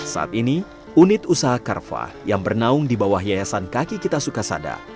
saat ini unit usaha carva yang bernaung di bawah yayasan kaki kita sukasada